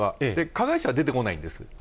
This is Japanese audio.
加害者は出てこないんです。